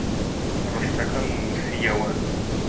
ڕستەکەم نووسییەوە.